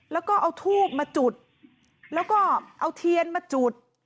แล้วก็เอาทูบมาจุดแล้วก็เอาเทียนมาจุด